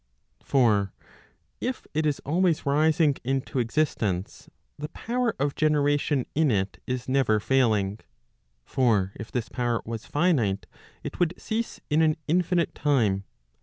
For if it is always rising into existence, the power of generation in it is never failing. For if this power was finite, it would cease in an infinite time.